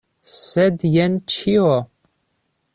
Sed jen ĉio.